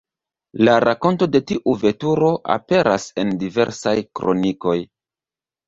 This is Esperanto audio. La rakonto de tiu veturo aperas en diversaj kronikoj.